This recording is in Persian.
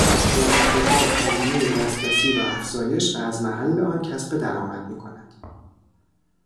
با احتکار، هزینه دسترسی را افزایش و از محل آن کسب درآمد میکند